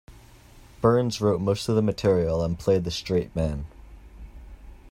Burns wrote most of the material and played the straight man.